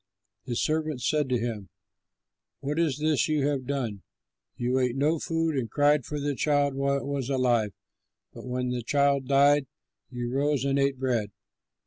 His servants said to him, "What is this you have done? You ate no food and cried for the child while it was alive, but when the child died, you rose and ate bread."